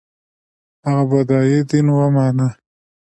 هغه بودايي دین ومانه